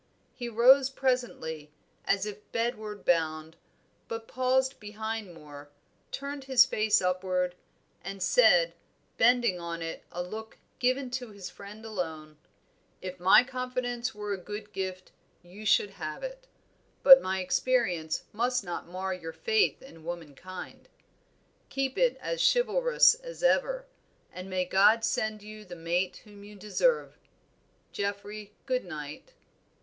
He rose presently as if bedward bound, but paused behind Moor, turned his face upward, and said, bending on it a look given to this friend alone "If my confidence were a good gift, you should have it. But my experience must not mar your faith in womankind. Keep it as chivalrous as ever, and may God send you the mate whom you deserve. Geoffrey, good night."